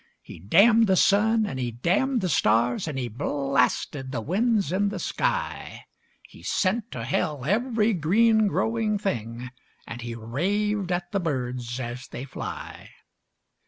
He damned the sun, and he damned the stars, And he blasted the winds in the sky. He sent to Hell every green, growing thing, And he raved at the birds as they fly.